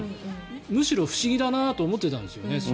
むしろ不思議だなと思ってたんですよね。